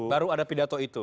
baru ada pidato itu